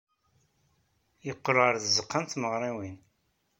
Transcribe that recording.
Yeqqel ɣer tzeɣɣa n tmeɣriwin.